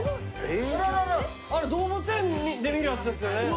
動物園で見るやつですよね。